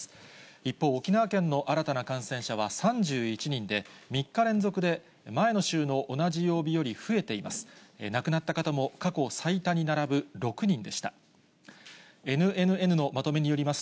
一方、沖縄県の新たな感染者は３１人で、３日連続で、前の週の同じ曜日より増えています。